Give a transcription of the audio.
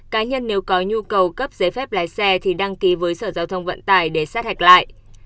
cá nhân nếu có nhu cầu cấp giấy phép lái xe thì đăng ký với sở giao thông vận tải để sát hạch lại